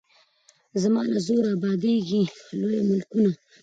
زما له زوره ابادیږي لوی ملکونه